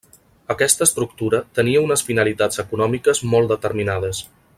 Aquesta estructura tenia unes finalitats econòmiques molt determinades.